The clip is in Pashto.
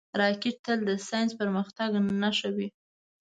راکټ تل د ساینسي پرمختګ نښه وي